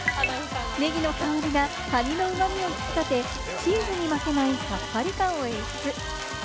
ネギの香りがカニの旨味を引き立て、チーズに負けない、さっぱり感を演出。